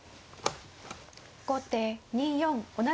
後手２四同じく歩。